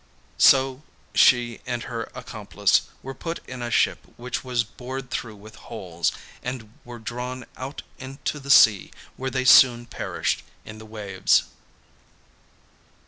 So she and her accomplice were put in a ship which was bored through with holes, and were drawn out into the sea, where they soon perished in the waves.